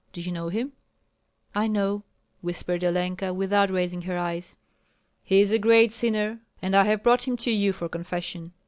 Do you know him?" "I know," whispered Olenka, without raising her eyes. "He is a great sinner, and I have brought him to you for confession.